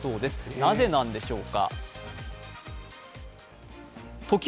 なぜなんでしょうか。